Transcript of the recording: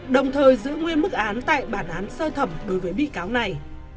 đồng thời giữ nguyên mức án tại bản án sơ thẩm đối với bị cáo này